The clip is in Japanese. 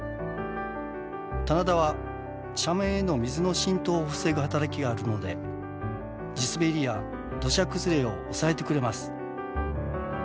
棚田は斜面への水の浸透を防ぐ働きがあるので地滑りや土砂崩れを抑えてくれます。